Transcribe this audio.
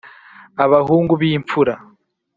abahungu b'imfura